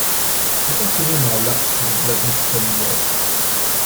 C’est à ce moment-là que le blason fut amélioré.